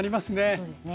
そうですね。